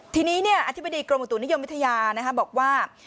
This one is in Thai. ทีนี้อธิบดีกรมอุตุนิยมวิทยาบอกว่า